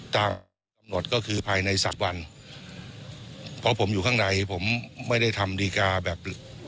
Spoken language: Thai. ตามกำหนดก็คือภายในสามวันเพราะผมอยู่ข้างในผมไม่ได้ทำดีการ์แบบ